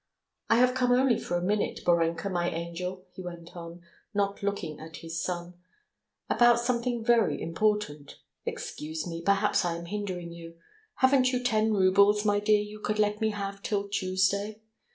"I have come only for a minute, Borenka, my angel," he went on, not looking at his son, "about something very important. Excuse me, perhaps I am hindering you. Haven't you ten roubles, my dear, you could let me have till Tuesday?